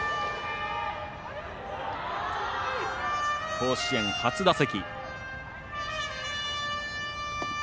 甲子園初打席。